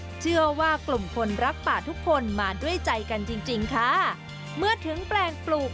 เชื่อว่ากลุ่มคนรักป่าทุกคนมาด้วยใจกันจริงจริงค่ะเมื่อถึงแปลงปลูก